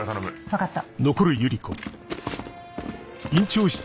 分かった。